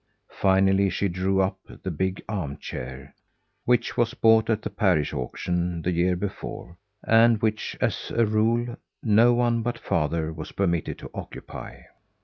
Finally, she drew up the big arm chair, which was bought at the parish auction the year before, and which, as a rule, no one but father was permitted to occupy.